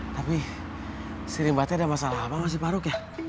tapi si rimbatnya ada masalah apa sama si paruk ya